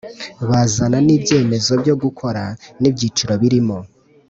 Bazana n ibyemezo byo gukora n ibyiciro birimo